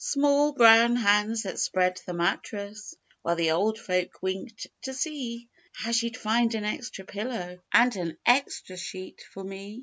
Small brown hands that spread the mattress While the old folk winked to see How she'd find an extra pillow And an extra sheet for me.